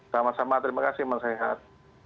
sama sama terima kasih mas sehat